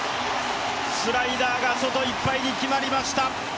スライダーが外いっぱいに決まりました。